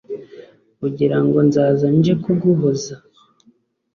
ugira ngo nzaza nje kuguhoza